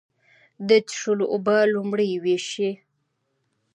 د څښلو اوبه لومړی وېشوئ.